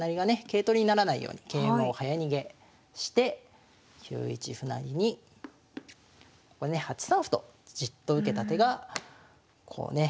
桂取りにならないように桂馬を早逃げして９一歩成に８三歩とじっと受けた手がこうね